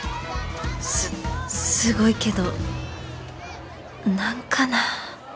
すすごいけど何かなぁ